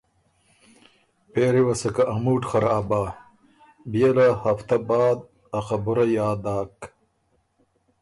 پېری وه سکه ا مُوډ خراب بۀ، بيې له هفته بعد ا خبُره یاد داک۔